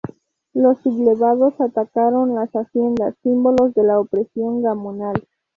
Los sublevados atacaron las haciendas, símbolos de la opresión gamonal.